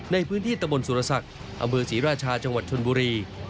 ในพื้นที่ตะบนสุรศักดิ์อำเภอศรีราชาจังหวัดชนบุรี